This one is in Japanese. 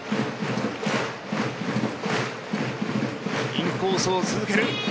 インコースを続ける。